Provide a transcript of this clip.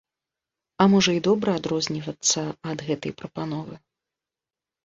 А можа і добра адрознівацца ад гэтай прапановы.